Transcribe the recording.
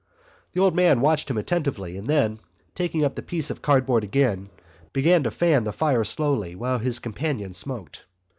The old man watched him attentively and then, taking up the piece of cardboard again, began to fan the fire slowly while his companion smoked.